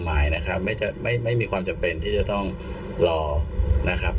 หมายนะครับไม่มีความจำเป็นที่จะต้องรอนะครับ